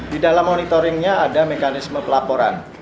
di dalam monitoringnya ada mekanisme pelaporan